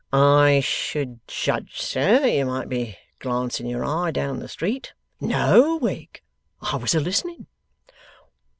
'I should judge, sir, that you might be glancing your eye down the street.' 'No, Wegg. I was a listening.